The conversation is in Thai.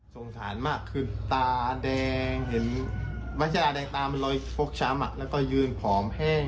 สงสารมากคือตาแดงไม่ใช่ตาแต่เหมือนมันลอยโฟกชามักแล้วก็ยืนผมแห้ง